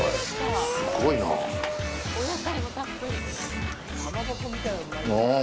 すごいなぁ。